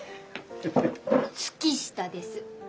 月下です。